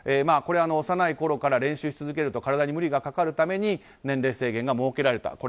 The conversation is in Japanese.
これは幼いころから練習し続けると体に無理が出るために年齢制限が設けられた。